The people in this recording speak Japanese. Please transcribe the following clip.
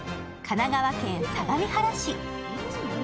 神奈川県相模原市。